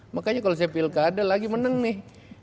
makanya kalau saya pilkada lagi menang nih